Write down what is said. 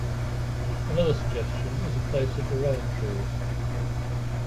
Another suggestion is a place at the rowan trees.